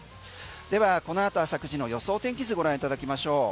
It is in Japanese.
ではこの後朝９時の予想天気図ご覧いただきましょう。